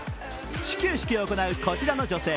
始球式を行うこちらの女性。